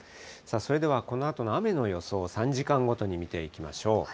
それではこのあとの雨の予想を、３時間ごとに見ていきましょう。